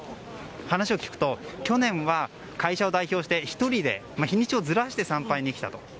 話を聞くと去年は会社を代表して１人で日にちをずらして参拝に来たと。